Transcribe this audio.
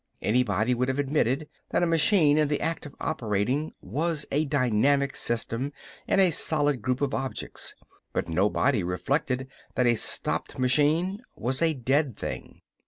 Anybody would have admitted that a machine in the act of operating was a dynamic system in a solid group of objects, but nobody reflected that a stopped machine was a dead thing.